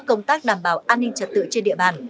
công tác đảm bảo an ninh trật tự trên địa bàn